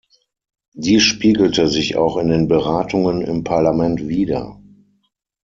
Dies spiegelte sich auch in den Beratungen im Parlament wider.